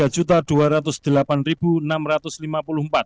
tiga dua ratus delapan enam ratus lima puluh empat